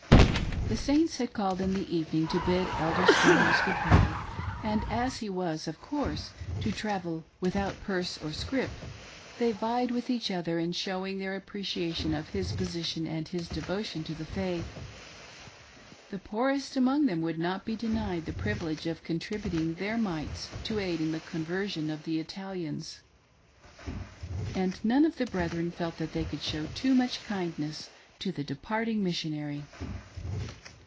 The Saints had called in the ■ evening to bid Elder Sten . house good bye, and as he was, of course, to travel "without purse or scrip," they vied with each other in showing their appreciation of his position and his devotion to the faith. The poorest among them would not be denied the privilege of contributing their mites to aid in the conversion of the Italians, and none of the brethren felt that they could show too much kindness to the departing missionary.